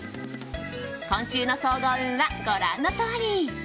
今週の総合運はご覧のとおり。